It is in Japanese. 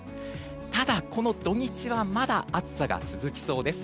ただ、この土日はまだ暑さが続きそうです。